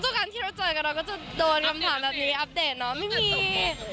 การที่เราเจอกับเราก็จะโดนคำถามแบบนี้อัปเดตเนาะไม่มี